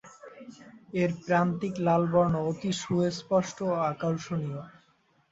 এর প্রান্তিক লাল বর্ণ অতি সুস্পষ্ট ও আকর্ষণীয়।